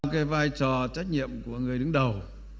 cái vai trò trách nhiệm của người đứng đầu